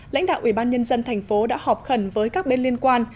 lãnh đạo ủy ban nhân dân thành phố đã họp khẩn với các bên liên quan